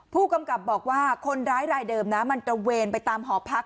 ผู้กำกับบอกว่าคนร้ายรายเดิมนะมันตระเวนไปตามหอพัก